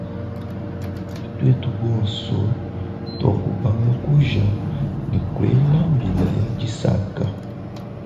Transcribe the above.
Twetu bonso twakubanga kuja ne kwela mbila ya disanka.